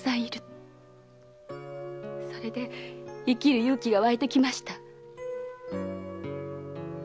それで生きる勇気が湧いてきました。